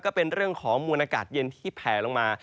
ก็เป็นเรื่องของมวลอากาศเย็นที่แผลลงมา